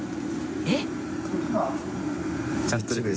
えっ。